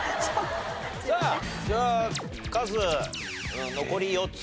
さあじゃあカズ残り４つ。